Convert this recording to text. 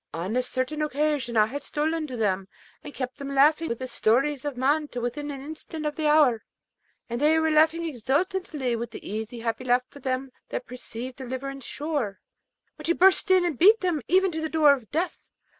On a certain occasion I had stolen to them, and kept them laughing with stories of man to within an instant of the hour; and they were laughing exultingly with the easy happy laugh of them that perceive deliverance sure, when she burst in and beat them even to the door of death.